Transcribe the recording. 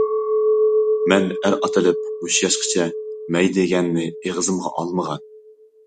مەن ئەر ئاتىلىپ مۇشۇ ياشقىچە مەي دېگەننى ئېغىزىمغا ئالمىغان.